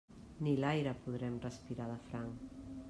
Ni l'aire podrem respirar de franc.